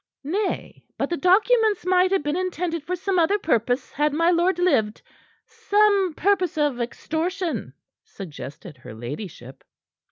"Nay, but the documents might have been intended for some other purpose had my lord lived some purpose of extortion," suggested her ladyship.